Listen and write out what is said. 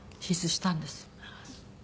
手術したんです。